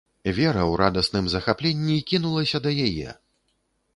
Вера ў радасным захапленні кінулася да яе.